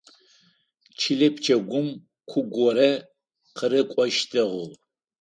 Чылэ пчэгум ку горэ къырыкӏощтыгъ.